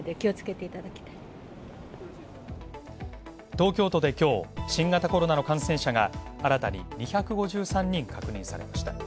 東京都できょう、新型コロナの感染者が新たに２５３人確認されました。